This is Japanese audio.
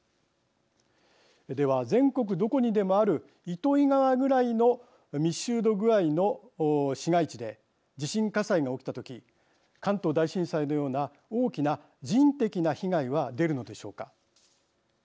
では全国どこにでもある糸魚川ぐらいの密集度具合の市街地で地震火災が起きた時関東大震災のような大きな人的な被害は出るのでしょうか。